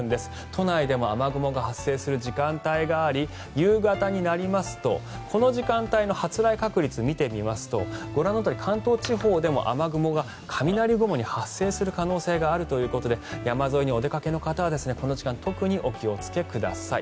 都内でも雨雲が発生する時間帯があり夕方になりますとこの時間帯の発雷確率を見てみますとご覧のとおり関東地方でも雨雲が雷雲に発達する可能性があるということで山沿いにお出かけの方はこの時間特にお気をつけください。